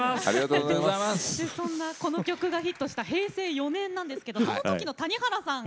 そしてそんなこの曲がヒットした平成４年なんですけどその時の谷原さん